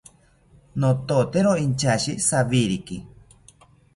Nototero inchashi jawiriki